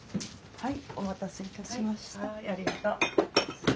はい。